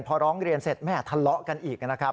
พอร้องเรียนเสร็จแม่ทะเลาะกันอีกนะครับ